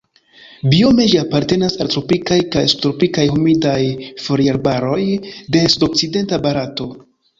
Biome ĝi apartenas al tropikaj kaj subtropikaj humidaj foliarbaroj de sudokcidenta Barato.